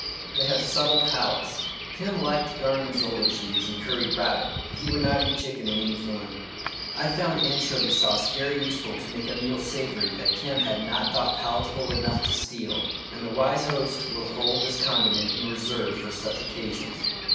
They have subtle palates ; Kim liked gorgonzola cheese and curried rabbit, but he would not eat chicken in any form. I found anchovy sauce very useful to make a meal savoury that Kim had not thought palatable enough to steal, and the wise host will hold this condiment in reserve for such occasions.